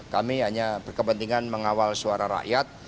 kami hanya berkepentingan mengawal suara rakyat